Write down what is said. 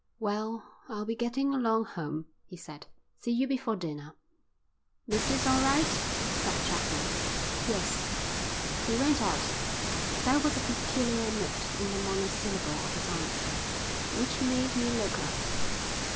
"Well, I'll be getting along home," he said. "See you before dinner." "Missus all right?" said Chaplin. "Yes." He went out. There was a peculiar note in the monosyllable of his answer which made me look up.